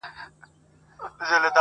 هغه وه تورو غرونو ته رويا وايي.